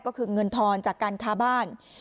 ก็คือเงินทอนจากการค้าบ้าน